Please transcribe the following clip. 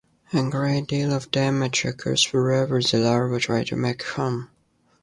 A great deal of damage occurs wherever the larva try to make a home.